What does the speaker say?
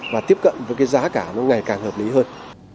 và tiếp cận với cái giá cả nó ngày càng hợp lý hơn